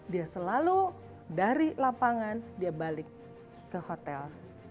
dia selalu dari lapangan dia balik ke hotel